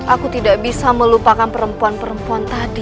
aku tidak bisa melupakan perempuan perempuan tadi